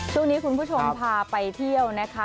ช่วงนี้คุณผู้ชมพาไปเที่ยวนะคะ